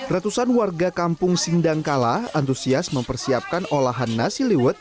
ratusan warga kampung sindangkala antusias mempersiapkan olahan nasi liwet